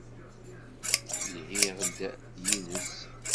Lhiɣ-d yid-s.